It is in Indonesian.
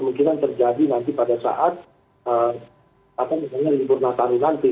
mungkin terjadi nanti pada saat liburan natal nanti